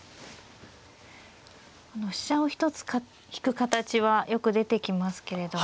この飛車を一つ引く形はよく出てきますけれども。